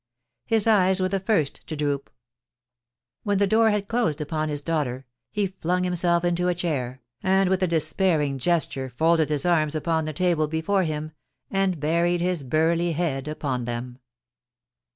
His eyes were the first to droop. When the door had closed upon his daughter, he flung himself into a chair, and with a despairing gesture folded his arms upon the table before him, and buried his burly head upon them.